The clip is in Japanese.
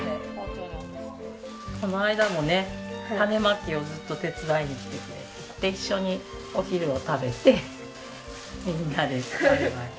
この間もね種まきをずっと手伝いに来てくれて一緒にお昼を食べてみんなでワイワイ。